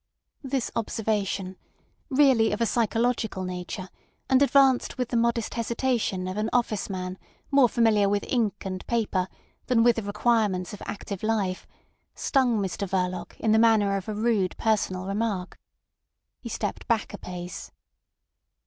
This observation, really of a psychological nature, and advanced with the modest hesitation of an officeman more familiar with ink and paper than with the requirements of active life, stung Mr Verloc in the manner of a rude personal remark. He stepped back a pace.